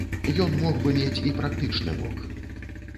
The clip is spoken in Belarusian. Ён мог бы мець і практычны бок.